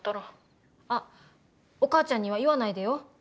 あっお母ちゃんには言わないでよ。